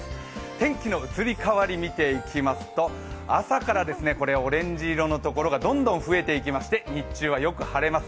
天気の移り変わり見ていきますと朝からオレンジ色のところがどんどん増えていきまして、日中はよく晴れます。